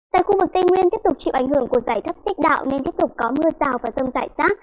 tại khu vực tây nguyên tiếp tục chịu ảnh hưởng của giải thấp xích đạo nên tiếp tục có mưa rào và rông rải rác